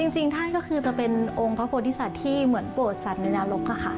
จริงท่านก็คือจะเป็นองค์พระโพธิสัตว์ที่เหมือนโปรดสัตว์ในนรกค่ะ